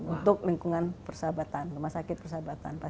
untuk lingkungan persahabatan rumah sakit persahabatan